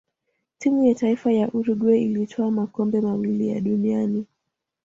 timu ya taifa ya uruguay ilitwaa makombe mawili ya duniani